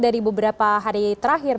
dari beberapa hari terakhir